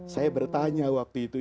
saya bertanya waktu itu